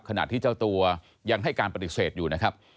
ขณะที่เจ้าตัวยังให้การปฏิเสธอยู่นะครับ